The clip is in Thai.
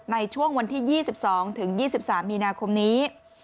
ในช่วงวันที่๒๒๒๓มีนาคมนี้